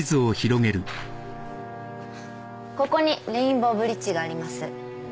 ここにレインボーブリッジがあります。